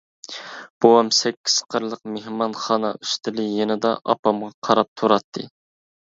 بوۋام سەككىز قىرلىق مېھمانخانا ئۈستىلى يېنىدا ئاپامغا قاراپ تۇراتتى.